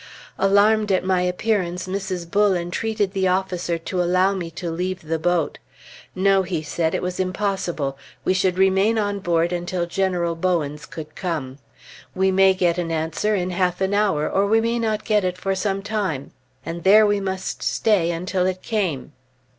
Alarmed at my appearance, Mrs. Bull entreated the officer to allow me to leave the boat. No, he said; it was impossible; we should remain on board until General Bowens could come. We may get an answer in half an hour, or we may not get it for some time; and there we must stay until it came.